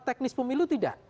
dan teknis pemilu tidak